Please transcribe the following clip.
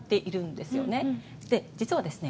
で実はですね